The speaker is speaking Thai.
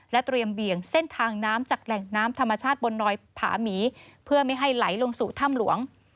เตรียมเบี่ยงเส้นทางน้ำจากแหล่งน้ำธรรมชาติบนดอยผาหมีเพื่อไม่ให้ไหลลงสู่ถ้ำหลวง